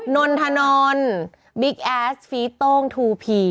นนทนนบิ๊กแอสฟีสโต้งทูผี